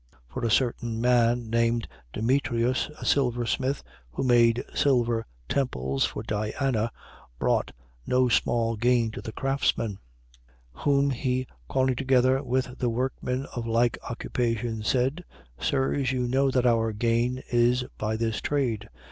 For a certain man named Demetrius, a silversmith, who made silver temples for Diana, brought no small gain to the craftsmen. 19:25. Whom he calling together with the workmen of like occupation, said: Sirs, you know that our gain is by this trade. 19:26.